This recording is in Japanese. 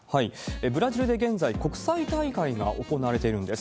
ブラジルで現在、国際大会が行われているんです。